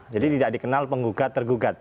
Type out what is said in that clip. jadi tidak dikenal penggugat tergugat